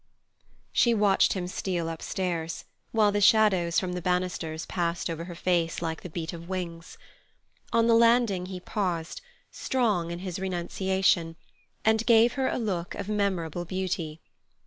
She watched him steal up stairs, while the shadows from three banisters passed over her face like the beat of wings. On the landing he paused strong in his renunciation, and gave her a look of memorable beauty.